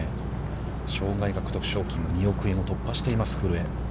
生涯獲得賞金も２億円を突破しています、古江。